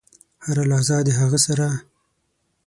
هره لحظه د هغه سره .